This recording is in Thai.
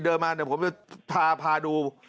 เดี่ยวมาดู